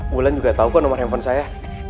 bulan juga tahu kok nomor handphone saya